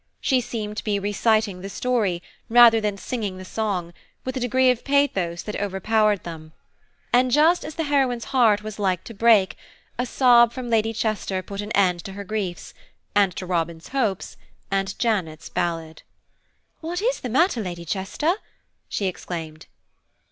She seemed to be reciting the story, rather than singing the song, with a degree of pathos that overpowered them; and just as the heroine's heart was 'like to break,' a sob from Lady Chester put an end to her griefs, and to Robin's hopes, and Janet's ballad. "What is the matter, Lady Chester?" she exclaimed.